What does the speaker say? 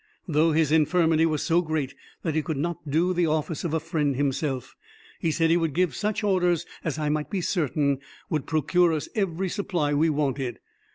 Though his infirmity was so great that he could not do the office of a friend himself, he said he would give such orders as I might be certain would procure us every supply we wanted.